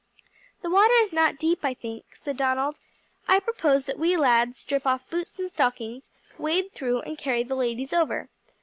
"The water is not deep, I think," said Donald. "I propose that we lads strip off boots and stockings, wade through and carry the ladies over.